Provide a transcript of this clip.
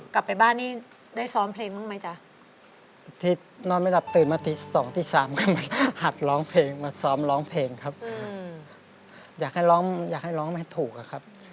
กลับไปบ้านได้ซ้อมเพลงบ้างไหมเจ้า